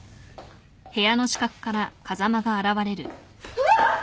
うわっ！